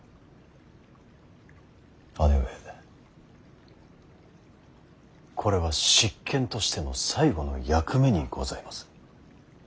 姉上これは執権としての最後の役目にございます。